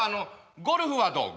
ゴルフはどう？